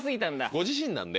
ご自身なんで。